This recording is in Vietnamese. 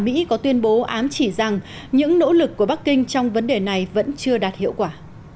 mỹ có tuyên bố ám chỉ rằng những nỗ lực của bắc kinh trong vấn đề này vẫn chưa đạt hiệu quả